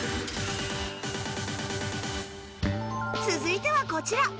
続いてはこちら